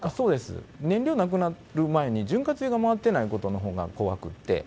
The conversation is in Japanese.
燃料なくなる前に、潤滑油が回っていないことのほうが怖くって。